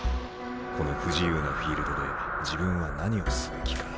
この不自由なフィールドで自分は何をすべきか？